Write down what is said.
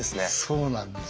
そうなんです。